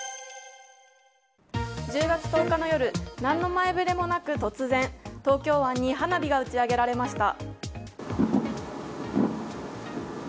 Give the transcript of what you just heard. １０月１０日の夜何の前触れもなく突然、東京湾に花火が打ち上げられました。